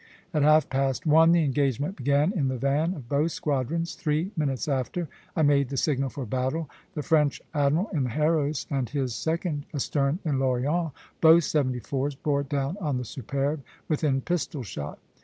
At half past one the engagement began in the van of both squadrons; three minutes after, I made the signal for battle. The French admiral in the 'Héros' and his second astern in 'L'Orient' (both seventy fours) bore down on the 'Superbe' within pistol shot.